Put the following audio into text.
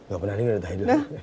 gak pernah nih udah tidal